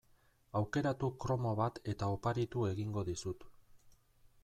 Aukeratu kromo bat eta oparitu egingo dizut.